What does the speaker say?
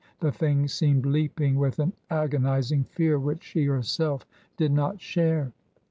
The thing seemed leaping with an agonizing fear which she herself did not share.